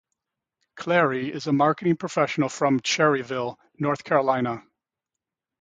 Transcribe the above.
Clary is a marketing professional from Cherryville, North Carolina.